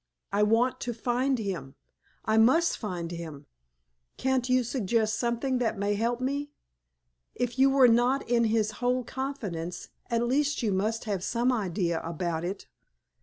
I want to find him. I must find him. Can't you suggest something that may help me? If you were not in his whole confidence, at least you must have some idea about it."